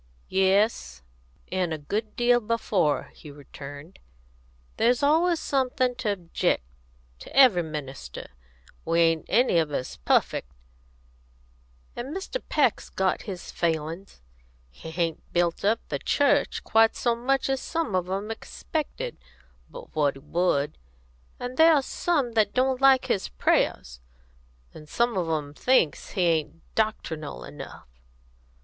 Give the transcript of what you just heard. "Yes, an' a good deal before," he returned. "There's always somethin' to objec' to every minister; we ain't any of us perfect, and Mr. Peck's got his failin's; he hain't built up the church quite so much as some on 'em expected but what he would; and there's some that don't like his prayers; and some of 'em thinks he ain't doctrinal enough.